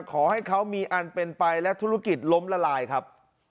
ขอให้เขามีอันเป็นไปและธุรกิจล้มละลายครับ